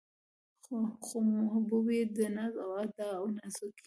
خو محبوبې يې د ناز و ادا او نازکۍ